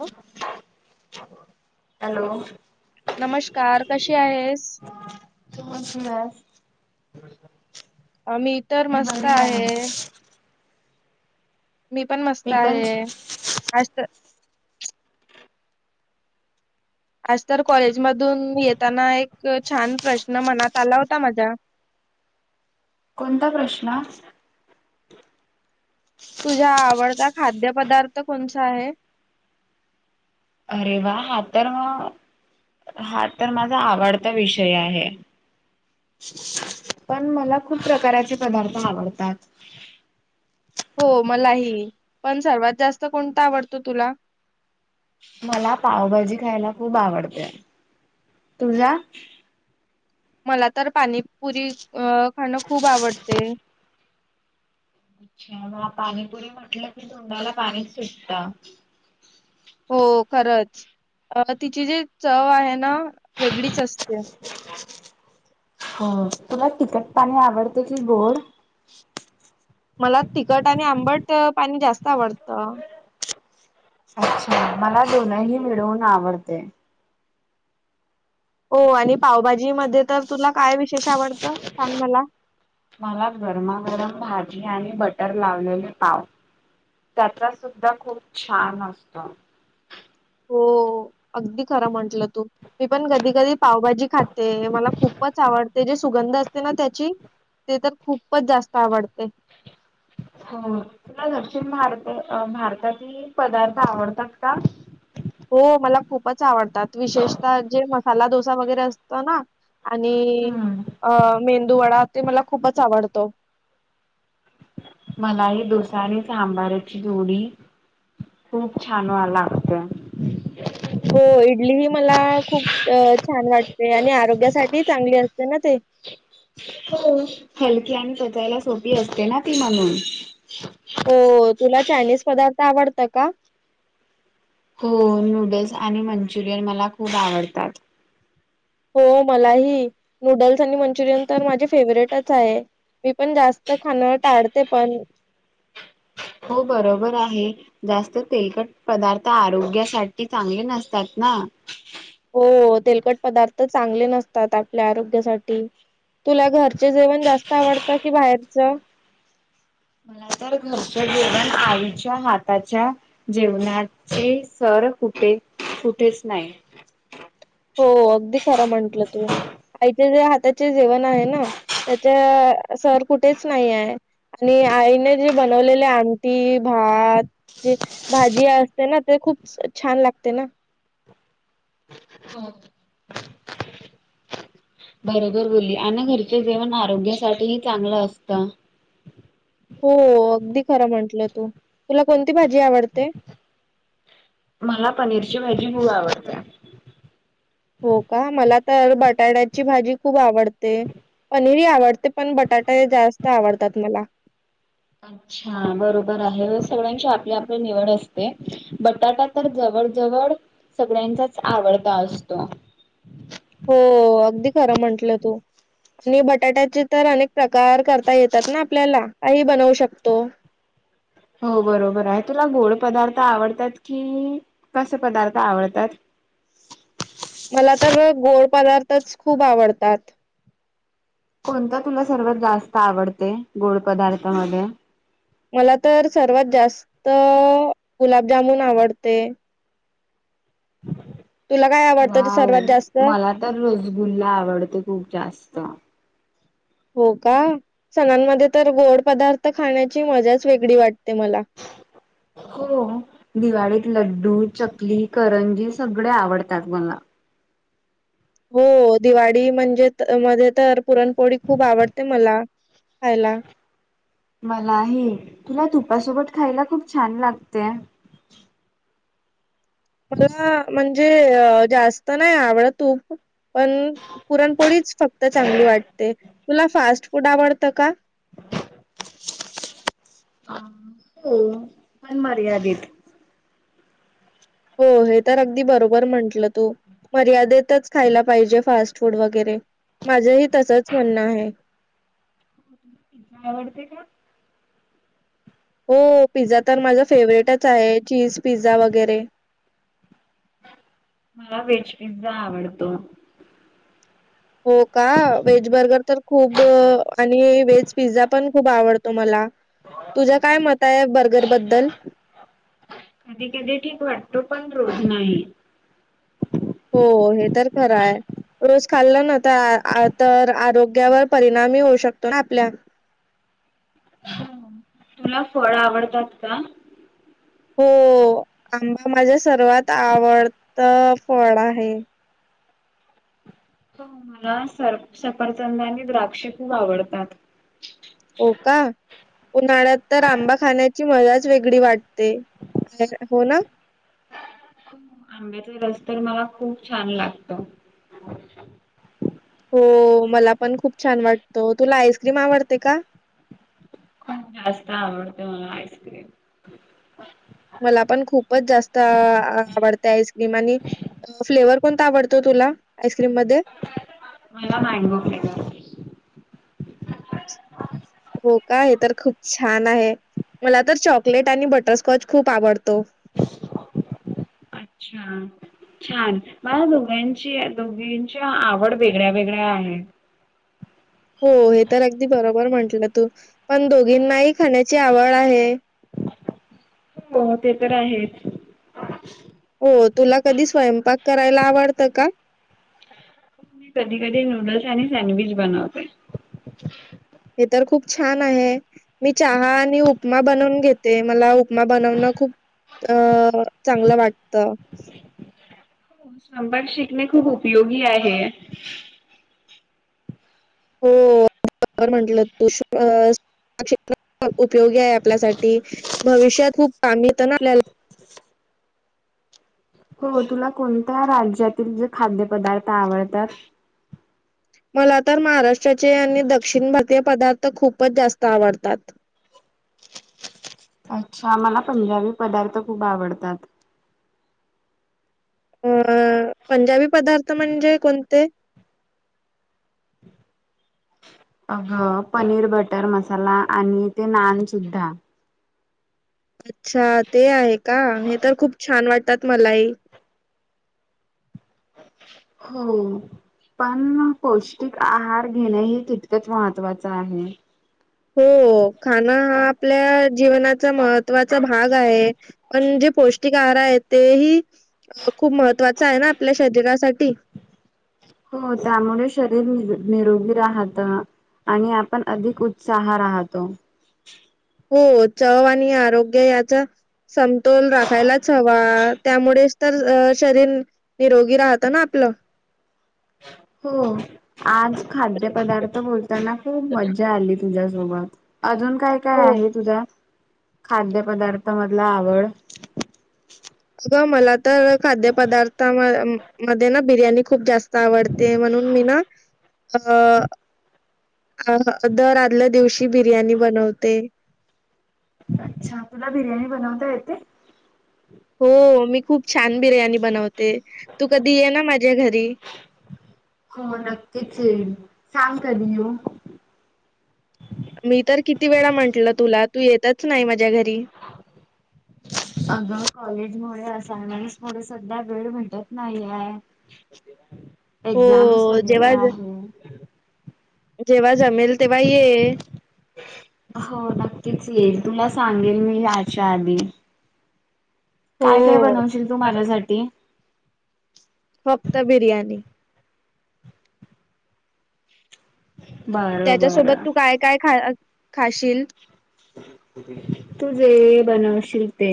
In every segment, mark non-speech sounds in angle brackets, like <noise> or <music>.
अ hello! नमश्कार कशी आहेस? <unintelligible> मी तर मस्त आहे. मी पण मस्त मी पण आहे. अष्ट आज तर कॉलेजमधून येताना एक छान प्रश्न मनात आला होता माझा. कोणता प्रश्न? तुझ्या आवडता खाद्य पदार्थ कोणसा आहे? अरे वा हा तर मग हा तर माझा आवडता विषय आहे. पण मला खूप प्रकाराचे पदार्थ आवडतात. हो मलाही पण सर्वात जास्त कोणता आवडतो तुला? मला पावभाजी खायला खूप आवडते. तुझा? मला तर पाणीपुरी खाणं अ खूप आवडते. अच्छा! म पाणीपुरी म्हटलं की तोंडाला पाणीच सुटत. हो खरंच अ तिची जी चव आहे ना वेगळीच असते. हो तुला तिकट पाणी आवडते कि गोड? मला तिखट आणि आंबट पाणी जास्त आवडतं. अच्छा! मला दोनही मिळून आवडते. ओ आणि पावभाजी मध्ये तर तुला काय विशेष आवडतं सांग मला. मला गरमागरम भाजी आणि बटर लावलेल पाव. त्याचा सुद्धा खूप छान असतो. हो अगदी खरं म्हटलं तू. मी पण कधी कधी पावभाजी खाते. मला खूपच आवडते जे सुगंध असते ना त्याची. तो तर खूपच जास्त आवडते. हो तुला दक्षिण भारत अ भारतातील पदार्थ आवडतात का? हो मला खूपच आवडतात. विशेषतः जे मसाला डोसा वगैरे असत ना? आणि हम्म. अ मेंदू वडा ते मला खूपच आवडतो मला ह दुसारी सांबाराची जोडी खूप छान व्हा लागतं हो इडली ही मला खूप छान वाटते आणि आरोग्यासाठी चांगली असते ना ते हो हलकी आणि पचायला सोपी असते ना ती म्हणून हो तुला चायनीज पदार्थ आवडत का हो नूडल्स आणि मंचुरियन मला खूप आवडतात हो मलाही नूडल्स आणि मंचुरियन तर माझे फेवरेटच आहे मी पण जास्त खाणं टाळते पण हो बरोबर आहे जास्त तेलकट पदार्थ आरोग्यासाठी चांगले नसतात ना हो तेलकट पदार्थ चांगले नसतात आपल्या आरोग्यासाठी तुला घरचे जेवण जास्त आवडतं की बाहेरचं मला तर घरचं जेवण ण आईच्या हाताच्या जेवणाचे सर कुठे कुठेच नाही हो अगदी खरा म्हटलं तू आईचे जे हाताचे जेवण आहे ना त्याच्या सर कुठेच नाही आहे आणि आईने जे बनवलेले आंमटी भात जे भाजी असते ना ते खूप छान लागते ना बरोबर बोली आणि घरच जेवण आरोग्यासाठीही चांगलं असतं हो अगदी खरं म्हंटलं तू तुला कोणती भाजी आवडते मला पनीरची भाजी खूप आवडते हो का मला तर बटाट्याची भाजी खूप आवडते पनीरही आवडते पण बटाटा जास्त आवडतात मला अच्छा बरोबर आहे सगळ्यांची आपली आपली निवड असते बटाटा तर जवळ जवळ सगळ्यांचाच आवडता असतो हो अगदी खरं म्हंटलं तू आणि बटाट्याचे तर अनेक प्रकार करता येतात ना आपल्याला काही बनवू शकतो हो बरोबर आहे तुला गोड पदार्थ आवडतात की कसे पदार्थ आवडतात मला तर गोड पदार्थच खूप आवडतात कोणत तुला सर्वात जास्त आवडते गोड पदार्था मध्ये मला तर सर्वात जास्त गुलाबजामुन आवडते तुला काय आवडतं ह ते सर्वात जास्त मला तर रसगुल्ला आवडते खूप जास्त हो का सणांमध्ये तर गोड पदार्थ खाण्याची मजाच वेगळी वाटते मला <inaudible> हो दिवाळीत लड्डू चकली करंजी सगळे आवडतात मला हो दिवाळी म्हणजे मध्ये तर पुरणपोळी खूप आवडते मला खायला मलाही तुला तुपासोबत खायला खूप छान लागते मला म्हणजे अ जास्त नाही आवडत तूप पण पुरणपोळीच फक्त चांगली वाटते तुला फास्ट फूड आवडतं का अ पण मर्यादेत हो हे तर अगदी बरोबर म्हंटलं तू मर्यादेतच खायला पाहिजे फास्ट फूड वगैरे माझंही तसंच म्हणणं आहे तुमला पिझ्झा आवडते का हो पिझ्झा तर माझा फेवर्हेटच आहे चीज पिझ्झा वगैरे. मला व्हेज पिझ्झा आवडतो. हो का, व्हेज बर्गर तर खूब आणि व्हेज पिझ्झा पण खूप आवडतो मला. तुझ्या काय मत आहे बर्गर बद्दल? कधी, कधी ठीक वाटतो पण रोज नाही. हो हे तर खर आहे. रोज खाल्ल ना त तर आरोग्यावर परिणाम ही होऊ शकतो ना आपल्या. तुला फळ आवडतात का? हो, आंबा माझा सर्वात आवडत फळ आहे. हो, मला सर सफरचंद आणि द्राक्ष खूप आवडतात. हो का‌ उन्हाळ्यात तर आंबा खाण्याची मजाच वेगडी वाटते, हो ना? आंब्याचा रस तर मला खूप छान लागतो. हो मला पण खूप छान वाटतो, तुला आईस्क्रीम आवडते का? खूप जास्त आवडते मला आईस्क्रीम. मला पण खूपच जास्त आ आ आवडते आईस्क्रीम आणि फ्लेवर कोणता आवडतो तुला आईस्क्रीम मध्ये? मला मॅंगो फ्लेवर. हो का, हे तर खूप छान आहे मला तर चॉकलेट आणि बटरस्कॉच खूप आवडतो. अच्छा छान मला दोघांची, दोघींची आवड वेगळ्या, वेगळ्या आहे. हो, हे तर अगदी बरोबर म्हंटल तू पण दोघींनाही खाण्याची आवड आहे. हो ते तर आहेच. हो तुला कधी स्वयंपाक करायला आवडत का? मी कधी, कधी नूडल्स आणि सँडविच बनवते. <inaudible> हे तर खूप छान आहे, मी चहा आणि उपमा बनवून घेते मला उपमा बनवण खूप अ चांगल वाटत. सबळ शिकणे खूप उपयोगी आहे. हो. <inaudible> उपयोगी आहे आपल्यासाठी. भविष्यात खूप <inaudible> हो तुला कोणत्या राज्यातील जे खाद्यपदार्थ आवडतात? मला तर महाराष्ट्राचे आणि दक्षिण भारतीय पदार्थ खूपच जास्त आवडतात. अच्छा, मला पंजाबी पदार्थ खूप आवडतात. अ पंजाबी पदार्थ म्हणजे कोणते? अ ह पनीर बटर मसाला आणि ते नान सुद्धा. अच्छा ते आहे का हे तर खूप छान वाटतात मलाही. हो. पण ना पौष्टिक आहार घेण हे तितकच महत्वाच आहे. हो खाण हा आपल्या जीवनाचा महत्त्वाचा भाग आहे. पण जे पौष्टिक आहार आहेत ते ही खूप महत्त्वाच आहे ना आपल्या शरीरासाठी. हो त्यामुळे शरीर नीर निरोगी राहत. आणि आपण अधिक उत्साह राहतो. हो चव आणि आरोग्य याचा समतोल राखायलाच हवा, त्यामुळेच तर अ शरीर निरोगी राहत ना आपल. हो, आज खाद्यपदार्थ बोलताना खूप मज्या आली तुझ्यासोबत, अजून काय काय हो आहे तुझा? खाद्यपदार्थ मधला आवड. अग, मला तर खाद्यपदार्था मध्ये ना बिर्याणी खूप जास्त आवडते म्हणून मी ना अ, अ दर आदल्या दिवशी बिर्याणी बनवते. अच्छा, तुला बिर्याणी बनवता येते? हो मी खूप छान बिर्याणी बनवते, तू कधी ये ना माझ्या घरी. हो नक्कीच येईल, सांग कधी येऊ? मी तर किती वेळा म्हंटलं तुला, तू येतच नाही माझ्या घरी. <inaudible> अगं कॉलेजमुळे असायनमेंट मुळ सध्या वेळ भेटत नाही हाय. हो, एक्झामस वगैरे जेव्हा ज- आहेत. जेव्हा जमेल तेव्हा ये. हो नक्कीच येईल, तुला सांगेल मी याच्या आधी. हो, काय-काय बनवशील तू अ, माझ्यासाठी? फक्त बिर्याणी. बरं त्याच्यासोबत बरं तू काय -काय खा, खाशील? तू जे बनवशील ते.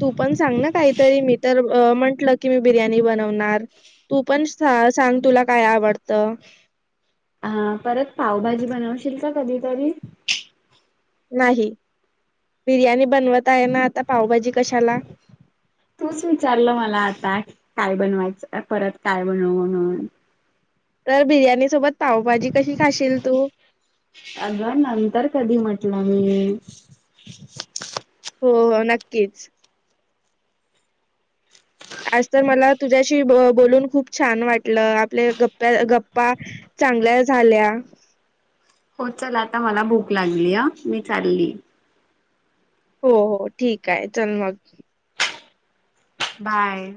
तू पण सांग ना काहीतरी, मी तर म्हंटलं की मी बिर्याणी बनवणार. तू पण सांग तुला काय आवडतं? हा परत पावभाजी बनवशील का कधीतरी? नाही, बिर्याणी बनवत आहे ना आता पावभाजी कशाला? तूच विचारलं मला आता, काय बनवायचं परत काय बनवू म्हणून. तर बिर्याणी सोबत पाव-भाजी कशी खाशील तू? अग नंतर कधी म्हटलं मी. हो, हो नक्कीच. आज तर मला तुझ्याशी बो, बोलून खूप छान वाटलं, आपले गप्प गप्पा चांगल्या झाल्या. हो चल आता मला भूक लागलीया, मी चालली. हो, हो ठीक हाय, चल मग. बाय.